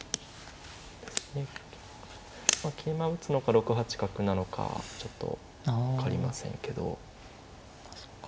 まあ桂馬打つのか６八角なのかちょっと分かりませんけど。